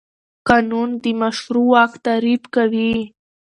قانون د مشروع واک تعریف کوي.